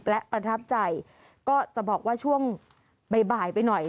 และประทับใจก็จะบอกว่าช่วงบ่ายไปหน่อย